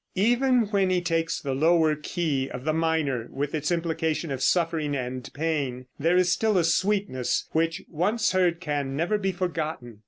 Even when he takes the lower key of the minor, with its implication of suffering and pain, there is still a sweetness, which once heard can never be forgotten.